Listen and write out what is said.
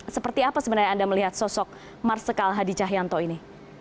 seperti apa sebenarnya anda melihat sosok marsikal hadi cahyanto ini